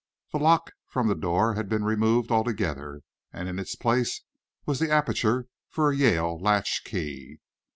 The lock from the door had been removed altogether, and in its place was the aperture for a Yale latch key.